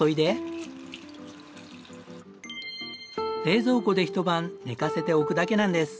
冷蔵庫で一晩寝かせておくだけなんです。